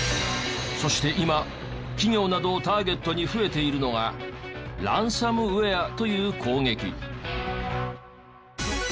そして今企業などをターゲットに増えているのがランサムウェアという攻撃。